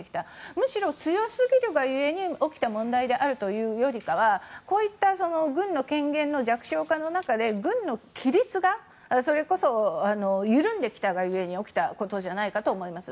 むしろ、強すぎるが故に起きた問題というよりかはこういった軍の権限の弱小化の中で軍の規律がそれこそ緩んできたが故に起きたことじゃないかと思います。